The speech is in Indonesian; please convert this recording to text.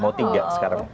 mau tiga sekarang